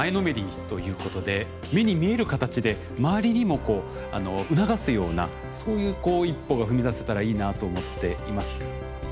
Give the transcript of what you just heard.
目に見える形で周りにも促すようなそういう一歩が踏み出せたらいいなと思っています。